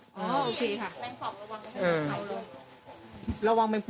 อ๋อโอเคค่ะแมงปองระวังไม่เป็นอะไร